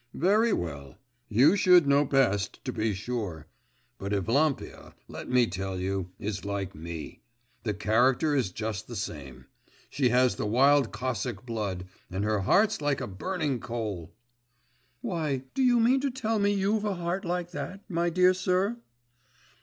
'Very well; you should know best, to be sure. But Evlampia, let me tell you, is like me. The character is just the same. She has the wild Cossack blood, and her heart's like a burning coal!' 'Why, do you mean to tell me you've a heart like that, my dear sir?